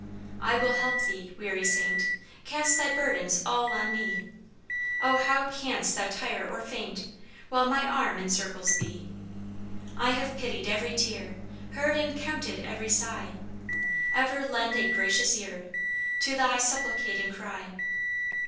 "I will help thee," weary saint, Cast thy burdens ALL ON ME; Oh, how cans't thou tire or faint, While my arm encircles thee. I have pitied every tear, Heard and COUNTED every sigh; Ever lend a gracious ear To thy supplicating cry.